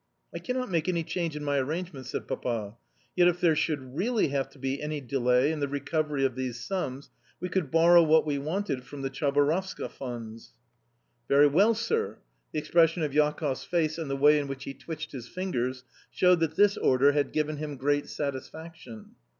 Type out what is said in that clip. "I cannot make any change in my arrangements," said Papa. "Yet if there should REALLY have to be any delay in the recovery of these sums, we could borrow what we wanted from the Chabarovska funds." "Very well, sir." The expression of Jakoff's face and the way in which he twitched his fingers showed that this order had given him great satisfaction.